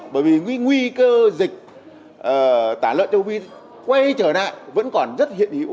bởi vì nguy cơ dịch tả lợn châu phi quay trở lại vẫn còn rất hiện hữu